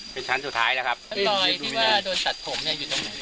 เป็นชั้นสุดท้ายนะครับน้อยที่ว่าโดนตัดผมเนี้ยอยู่ตรงไหนครับ